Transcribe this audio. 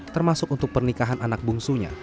termasuk untuk pernikahan anak bungsunya